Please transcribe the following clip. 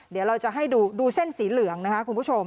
เดี๋ยวเราจะให้ดูเส้นสีเหลืองนะคะ